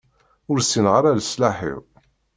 Ur ssineɣ ara leṣlaḥ-iw.